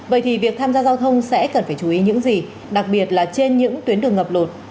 vậy thì việc tham gia giao thông sẽ cần phải chú ý những gì đặc biệt là trên những tuyến đường ngập lụt